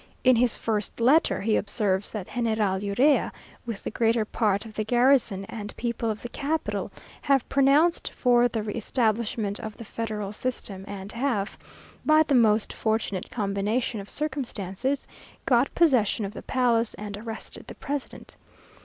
In his first letter, he observes, that General Urrea, with the greater part of the garrison and people of the capital, have pronounced for the re establishment of the federal system, and have, by the most fortunate combination of circumstances, got possession of the palace, and arrested the president.